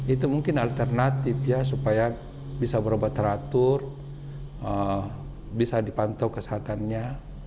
itu mungkin alternatif ya supaya bisa berobat teratur bisa dipantau kesehatannya